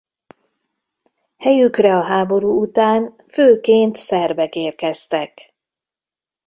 Helyükre a háború után főként szerbek érkeztek.